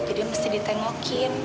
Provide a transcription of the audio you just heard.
jadi mesti ditengokin